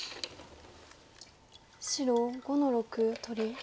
白５の六取り。